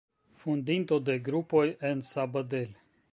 Fondinto de grupoj en Sabadell.